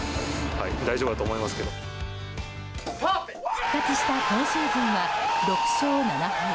復活した今シーズンは６勝７敗。